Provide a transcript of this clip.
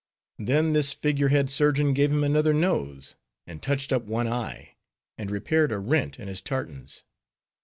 Then this figure head surgeon gave him another nose, and touched up one eye, and repaired a rent in his tartans.